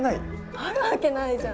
あるわけないじゃん。